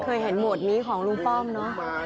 เคยเห็นโหมดนี้ของลุงป้อมเนอะ